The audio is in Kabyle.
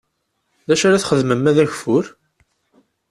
D acu ara txedmem ma d ageffur?